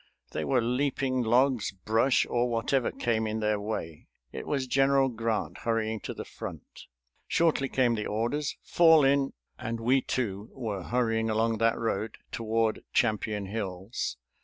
They were leaping logs, brush, or whatever came in their way. It was General Grant, hurrying to the front. Shortly came the orders, "Fall in!" and we too were hurrying along that road toward Champion Hills.